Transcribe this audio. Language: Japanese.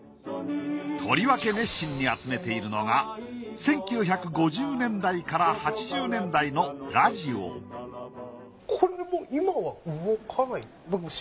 とりわけ熱心に集めているのが１９５０年代から８０年代のラジオこれもう今は動かない。